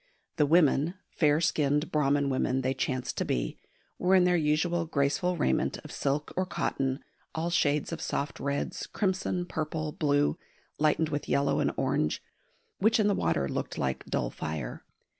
The women "fair" skinned Brahman women they chanced to be were in their usual graceful raiment of silk or cotton, all shades of soft reds, crimson, purple, blue, lightened with yellow and orange, which in the water looked like dull fire.